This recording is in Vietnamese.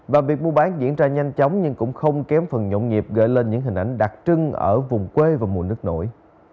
và việc mua bán diễn ra nhanh chóng nhưng cũng không kém phần nhộn nhịp gợi lên những hình ảnh đặc trưng ở vùng quê và mùa nước nổi